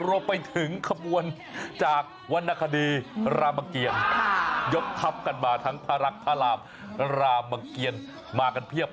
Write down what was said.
รวมไปถึงขบวนจากวรรณคดีรามเกียรยกทัพกันมาทั้งพระรักพระรามรามเกียรมากันเพียบ